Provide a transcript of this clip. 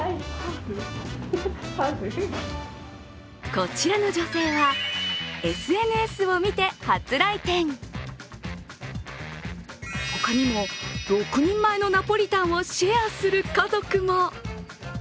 こちらの女性はＳＮＳを見て初来店他にも、６人前のナポリタンをシェアする家族も。